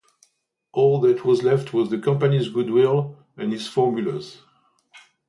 All that was left was the company's good will and its formulas.